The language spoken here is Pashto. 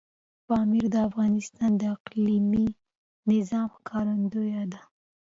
پامیر د افغانستان د اقلیمي نظام ښکارندوی ده.